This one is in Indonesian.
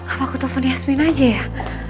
apa aku telfon yasmin aja ya